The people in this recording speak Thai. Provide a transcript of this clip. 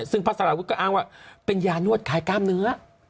ซึ่งพระสารวุฒิก็อ้างว่าเป็นยานวดคลายกล้ามเนื้อ